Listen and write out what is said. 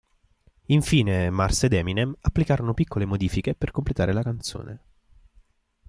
Infine Mars ed Eminem applicarono piccole modifiche per completare la canzone.